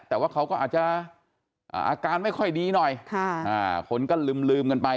แต่ว่าเขาก็อาจจะอาการไม่ค่อยดีหน่อยคนก็ลืมกันไป